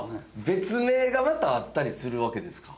別名がまたあったりするわけですか。